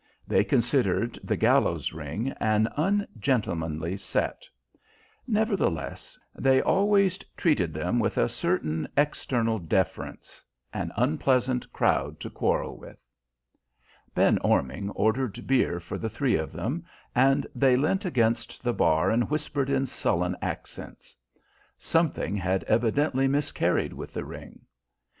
They considered "The Gallows Ring" an ungentlemanly set; nevertheless, they always treated them with a certain external deference an unpleasant crowd to quarrel with. Ben Orming ordered beer for the three of them, and they leant against the bar and whispered in sullen accents. Something had evidently miscarried with the Ring. Mrs.